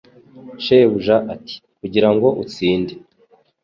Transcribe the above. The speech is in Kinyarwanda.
Shebuja ati Kugira ngo utsinde